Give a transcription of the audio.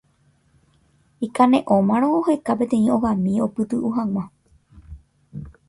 Ikane'õmarõ oheka peteĩ ogami opytu'u hag̃ua.